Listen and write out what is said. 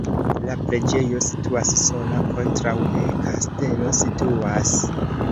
La preĝejo situas sola, kontraŭe kastelo situas.